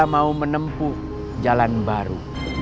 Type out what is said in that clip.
mau menempuh jalan baru